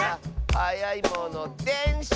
「はやいものでんしゃ！」